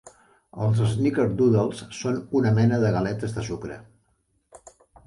Els snickerdoodles són una mena de "galetes de sucre".